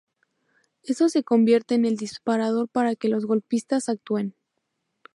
Esto se convierte en el disparador para que los golpistas actúen.